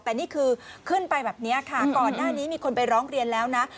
แต่นี่คือขึ้นไปแบบนี้ค่ะก่อนหน้านี้มีคนไปร้องเรียนแล้วนะ